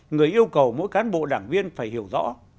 người yêu cầu mỗi cán bộ đảng viên phải hiểu rõ